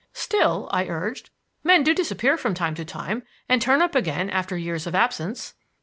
"Still," I urged, "men do disappear from time to time, and turn up again after years of absence."